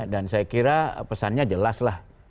dan saya kira pesannya jelas lah